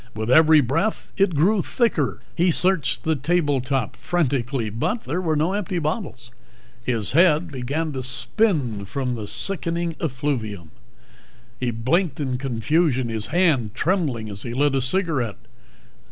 With every breath it grew thicker. He searched the table top frantically, but there were no empty bottles. His head began to spin from the sickening effluvium. He blinked in confusion, his hand trembling as he lit a cigarette.